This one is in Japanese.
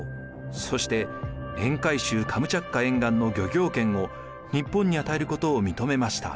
そして沿海州カムチャツカ沿岸の漁業権を日本に与えることを認めました。